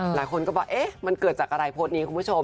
หลายคนก็บอกเอ๊ะมันเกิดจากอะไรโพสต์นี้คุณผู้ชม